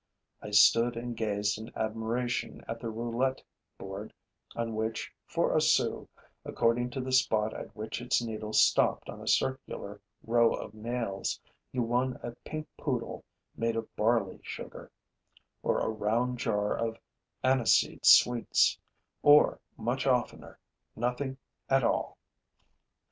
I stood and gazed in admiration at the roulette board on which, for a sou, according to the spot at which its needle stopped on a circular row of nails, you won a pink poodle made of barley sugar, or a round jar of aniseed sweets, or, much oftener, nothing at all.